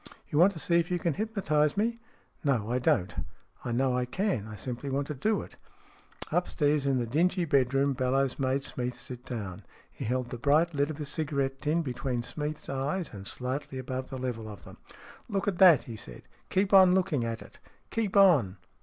" You want to see if you can hypnotize me ?"" No, I don't. I know I can. I simply want to do it." Upstairs in the dingy bedroom Bellowes made Smeath sit down. He held the bright lid of a cigarette tin between Smeath's eyes and slightly above the level of them. " Look at that," he said. " Keep on looking at it. Keep on